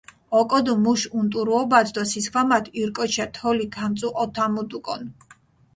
ოკოდჷ მუშ უნტუარობათ დო სისქვამათ ირკოჩშა თოლი გამწუჸოთამუდუკონ.